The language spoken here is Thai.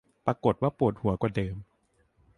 ปรากฏว่าปวดหัวกว่าเดิม